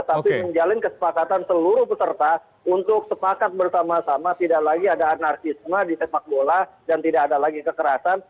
tapi menjalin kesepakatan seluruh peserta untuk sepakat bersama sama tidak lagi ada anarkisme di sepak bola dan tidak ada lagi kekerasan